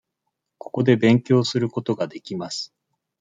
ここで勉強することができます。